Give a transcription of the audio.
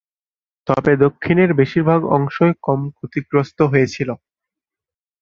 তবে দক্ষিণের বেশিরভাগ অংশই কম ক্ষতিগ্রস্ত হয়েছিল।